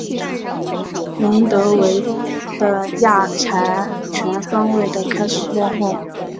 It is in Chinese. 蒙得维的亚才全方位的开始落后。